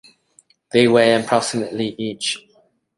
They weigh approximately each.